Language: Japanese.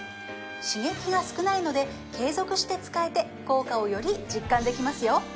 刺激が少ないので継続して使えて効果をより実感できますよ